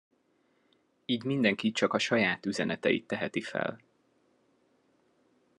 Így mindenki csak a saját üzeneteit teheti fel.